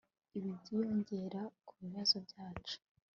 Ibi byiyongera kubibazo byacu